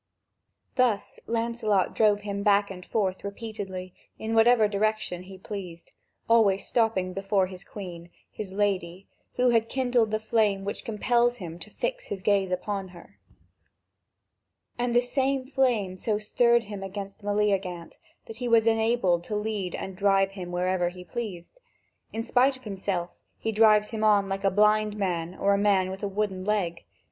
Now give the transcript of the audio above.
Thus Lancelot drove him back and forth repeatedly in whatever direction he pleased, always stopping before the Queen, his lady, who had kindled the flame which compels him to fix his gaze upon her. And this same flame so stirred him against Meleagant that he was enabled to lead and drive him wherever he pleased. In spite of himself he drives him on like a blind man or a man with a wooden leg.